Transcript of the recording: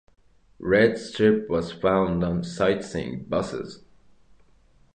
Red strip was found on sightseeing buses.